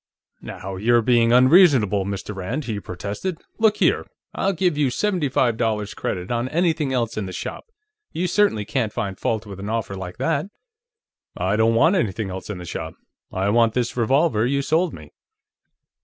"Now you're being unreasonable, Mr. Rand," he protested. "Look here; I'll give you seventy five dollars' credit on anything else in the shop. You certainly can't find fault with an offer like that." "I don't want anything else in the shop; I want this revolver you sold me."